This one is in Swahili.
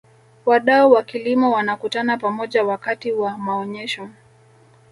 wadau wa kilimo wanakutana pamoja wakati wa maonyesho